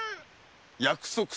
約束するか？